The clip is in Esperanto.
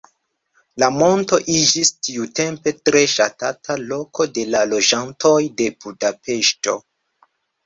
La monto iĝis tiutempe tre ŝatata loko de la loĝantoj de Budapeŝto.